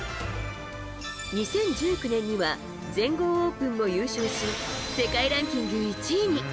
２０１９年には全豪オープンを優勝し世界ランキング１位に。